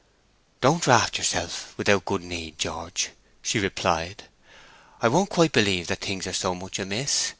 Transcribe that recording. "Don't raft yourself without good need, George," she replied. "I won't quite believe that things are so much amiss.